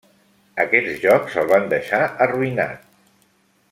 Aquests jocs el van deixar arruïnat.